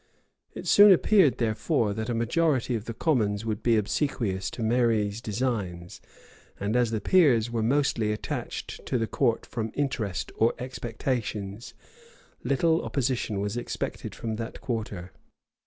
It soon appeared, therefore, that a majority of the commons would be obsequious to Mary's designs; and as the peers were mostly attached to the court from interest or expectations, little opposition was expected from that quarter.